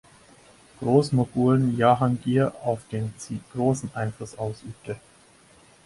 Großmoguln Jahangir, auf den sie großen Einfluss ausübte.